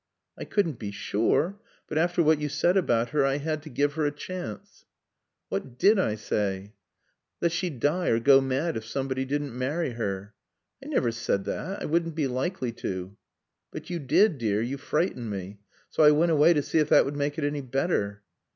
"I couldn't be sure. But after what you said about her I had to give her a chance." "What did I say?" "That she'd die or go mad if somebody didn't marry her." "I never said that. I wouldn't be likely to." "But you did, dear. You frightened me. So I went away to see if that would make it any better."